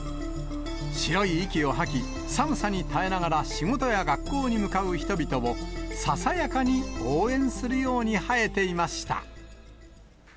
白い息を吐き、寒さに耐えながら仕事や学校に向かう人々を、ささやかに応援するように生えていました。